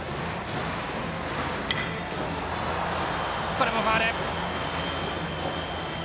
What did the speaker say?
これもファウル。